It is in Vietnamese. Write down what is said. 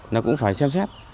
nó cũng phải xem xét